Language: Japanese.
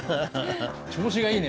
調子がいいね